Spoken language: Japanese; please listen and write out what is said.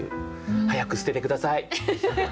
早く捨てて下さい！